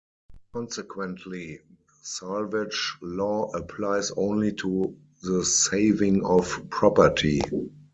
Consequently, salvage law applies only to the saving of property.